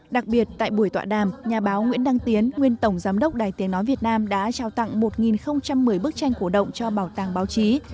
đặc biệt tại buổi tọa đàm nhà báo nguyễn đăng tiến nguyên tổng giám đốc đài tiếng nói việt nam đã trao tặng một một mươi bức tranh cổ động cho bảo tàng báo chí